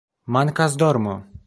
"Mankas dormo"